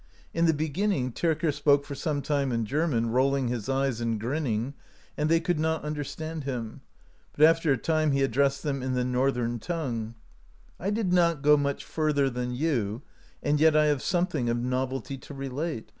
*' In the beginning Tyrker spoke for some time in German, rolling his eyes, and grinning, and they could not under stand him; but after a time he addressed them in the Northern tongue : "I did not go much further [than you] and yet I have something of novelty to relate.